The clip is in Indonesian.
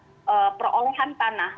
karena perolohan tanah